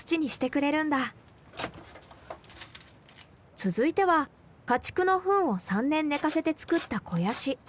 続いては家畜のふんを３年寝かせて作った肥やし。